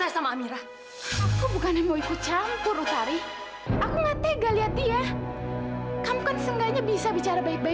sampai jumpa di video selanjutnya